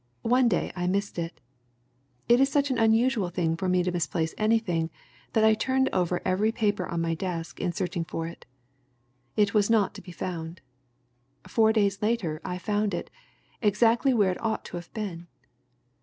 One day I missed it. It is such an unusual thing for me to misplace anything that I turned over every paper on my desk in searching for it. It was not to be found. Four days later I found it, exactly where it ought to have been.